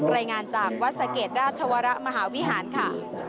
รายงานจากวัดสะเกดราชวรมหาวิหารค่ะ